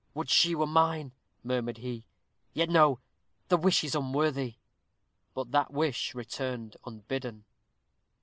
"Would she were mine!" murmured he. "Yet no! the wish is unworthy." But that wish returned unbidden.